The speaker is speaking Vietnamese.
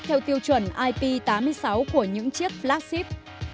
theo tiêu chuẩn ip tám mươi sáu của những chiếc blackpip